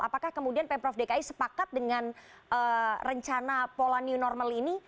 apakah kemudian pemprov dki sepakat dengan rencana pola new normal ini